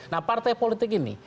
nah partai politik ini